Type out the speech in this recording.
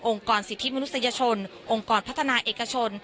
กรสิทธิมนุษยชนองค์กรพัฒนาเอกชน